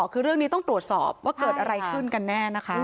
คือเรื่องนี้ต้องตรวจสอบว่าเกิดอะไรขึ้นกันแน่นะคะ